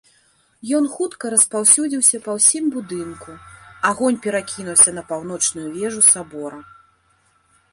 Ён хутка распаўсюдзіўся па ўсім будынку, агонь перакінуўся на паўночную вежу сабора.